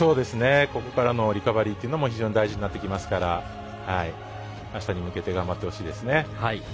ここからのリカバリーも非常に大事になってきますからあしたに向けて頑張ってほしいですね。